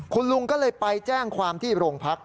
คุณลุงก็เลยไปแจ้งความที่โรงพัก